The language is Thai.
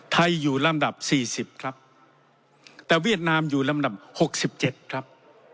อยู่ลำดับ๔๐ครับแต่เวียดนามอยู่ลำดับ๖๗ครับ